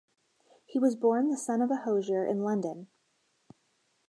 He was born the son of a hosier in London.